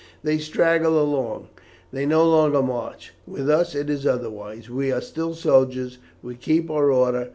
They straggle along; they no longer march. With us it is otherwise. We are still soldiers; we keep our order.